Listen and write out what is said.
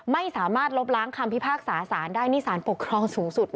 ไม่สามารถลบล้างคำพิพากษาสารได้นี่สารปกครองสูงสุด